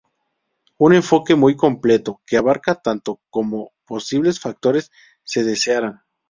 Un enfoque muy completo, que abarca tanto como posibles factores se desearan.